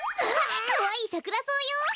あっかわいいサクラソウよ！